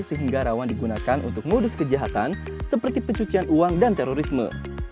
sehingga rawan digunakan untuk modus kejahatan seperti pencucian uang dan terorisme